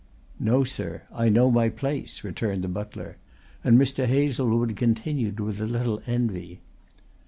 "No, sir. I know my place," returned the butler, and Mr. Hazlewood continued with a little envy.